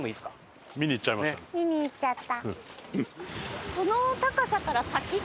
見に行っちゃった。